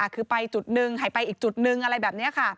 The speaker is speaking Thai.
คือไปจุดหนึ่งให้ไปอีกจุดนึงอะไรแบบนี้ค่ะ